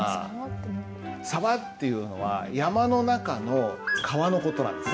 「沢」っていうのは山の中の川の事なんです。